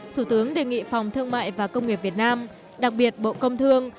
thủ tướng đề nghị phòng thương mại và công nghiệp việt nam đặc biệt bộ công thương